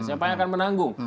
saya akan menanggung